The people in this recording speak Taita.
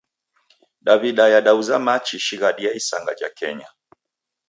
Daw'ida yadauza machi shighadi ya isanga ja kenya.